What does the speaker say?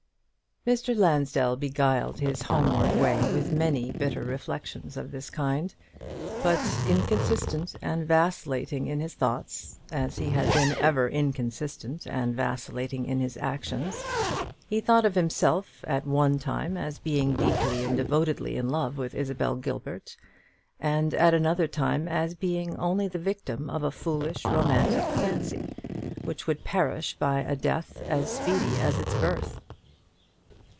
Mr. Lansdell beguiled his homeward way with many bitter reflections of this kind. But, inconsistent and vacillating in his thoughts, as he had been ever inconsistent and vacillating in his actions, he thought of himself at one time as being deeply and devotedly in love with Isabel Gilbert, and at another time as being only the victim of a foolish romantic fancy, which would perish by a death as speedy as its birth.